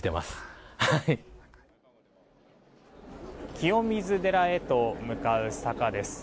清水寺へと向かう坂です。